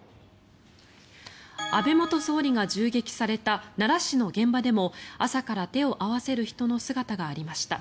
安倍元総理が銃撃された奈良市の現場でも朝から手を合わせる人の姿がありました。